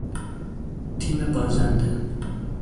تیم بازنده